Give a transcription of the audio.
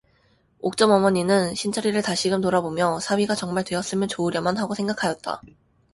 옥점 어머니는 신철이를 다시금 돌아보며 사위가 정말 되었으면 좋으련만 하고 생각하였다.